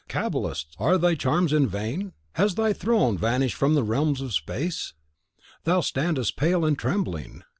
Cabalist! are thy charms in vain? Has thy throne vanished from the realms of space? Thou standest pale and trembling.